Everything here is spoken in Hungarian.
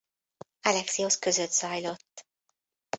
Alexiosz között zajlott.